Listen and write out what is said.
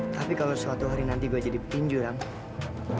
tapi kalau suatu hari nanti gue jadi petinju dong